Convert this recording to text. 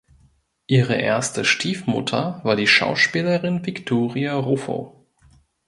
Ihre erste Stiefmutter war die Schauspielerin Victoria Ruffo.